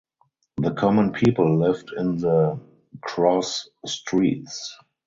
The common people lived in the (cross) streets.